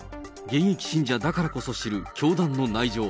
現役信者だからこそ知る教団の内情。